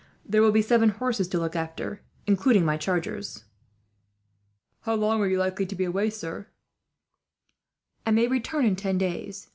"There will be seven horses to look after, including my chargers." "How long are you likely to be away, sir?" "I may return in ten days.